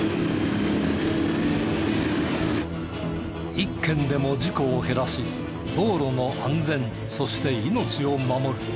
一件でも事故を減らし道路の安全そして命を守る。